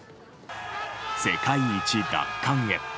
世界一奪還へ。